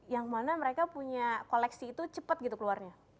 yang mana mereka punya koleksi itu cepat gitu keluarnya